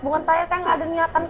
bukan saya saya nggak ada niatan